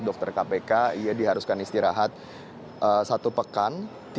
dokter kpk ia diharuskan istirahat satu pekan